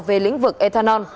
về lĩnh vực ethanol